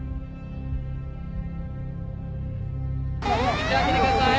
道空けてください。